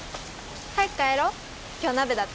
早く帰ろう今日鍋だって